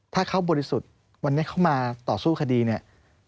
ถ้าเขาบริสุทธิ์วันนี้เขามาต่อสู้คดีเนี่ย